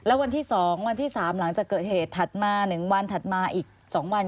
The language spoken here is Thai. แล้ววันที่๒วันที่๓หลังจากเกิดเหตุถัดมา๑วันถัดมาอีก๒วัน